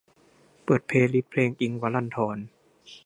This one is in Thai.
เปิดเพลย์ลิสต์เพลงอิ๊งค์ วรันธร